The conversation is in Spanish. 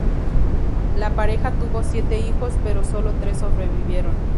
La pareja tuvo siete hijos pero solo tres sobrevivieron.